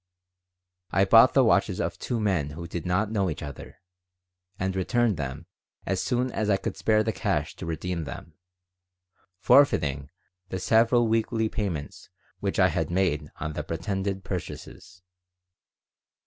I bought the watches of two men who did not know each other, and returned them as soon as I could spare the cash to redeem them, forfeiting the several weekly payments which I had made on the pretended purchases.